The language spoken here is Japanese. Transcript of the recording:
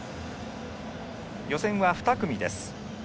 予選は２組です。